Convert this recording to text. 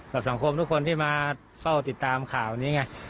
สังคมทุกคนที่มาเฝ้าติดตามข่าวนี้ไง